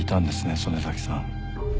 曽根崎さん。